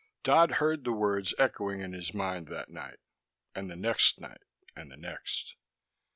Dodd heard the words echoing in his mind that night, and the next night, and the next.